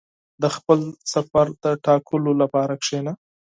• د خپل سفر د ټاکلو لپاره کښېنه.